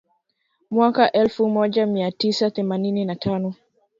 Mwaka wa elfu moja mia tisa themanini na tano